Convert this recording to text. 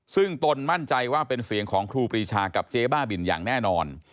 ซึ่งตนมั่นใจว่าเป็นเสียงของครูปรีชากับเจ๊บ้าบินอย่างแน่นอน